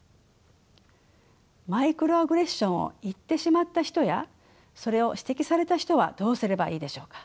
マイクロアグレッションを言ってしまった人やそれを指摘された人はどうすればいいでしょうか。